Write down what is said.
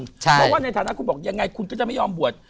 เพราะว่าในฐานะคุณบอกยังไงคุณก็จะไม่ยอมบวช